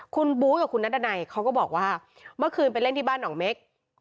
คุณบู๊กับคุณนัดดันัยเขาก็บอกว่าเมื่อคืนไปเล่นที่บ้านหนองเม็ก